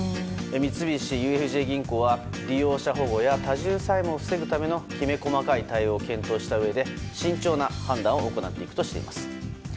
三菱ＵＦＪ銀行は利用者保護や多重債務を防ぐためのきめ細かい対応を検討したうえで慎重な判断を行っていくとしています。